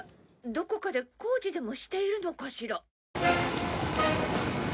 どこかで工事でもしているのかしら。